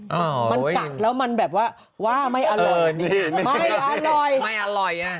มันกัดแล้วมันแบบว่าว่าไม่อร่อยไม่อร่อย